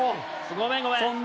ごめんごめん。